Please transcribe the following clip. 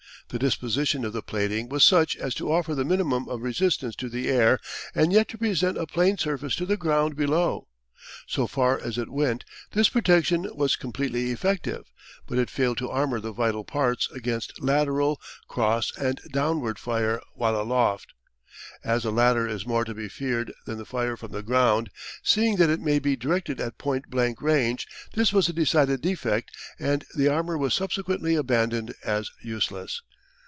The disposition of the plating was such as to offer the minimum of resistance to the air and yet to present a plane surface to the ground below. So far as it went this protection was completely effective, but it failed to armour the vital parts against lateral, cross and downward fire while aloft. As the latter is more to be feared than the fire from the ground, seeing that it may be directed at point blank range, this was a decided defect and the armour was subsequently abandoned as useless.